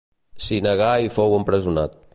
S'hi negà i fou empresonat.